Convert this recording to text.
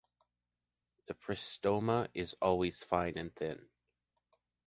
The peristoma is always fine and thin.